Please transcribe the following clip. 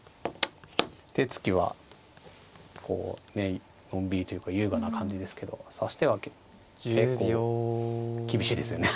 手つきはこうのんびりというか優雅な感じですけど指し手は結構厳しいですよね。